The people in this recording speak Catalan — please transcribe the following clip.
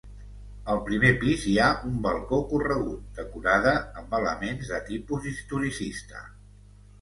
Al primer pis hi ha un balcó corregut, decorada amb elements de tipus historicista.